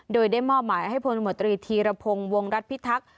โดยได้มอบหมายให้พลมตรีธีรพงศ์วงรัฐพิทักษ์